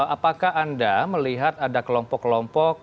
apakah anda melihat ada kelompok kelompok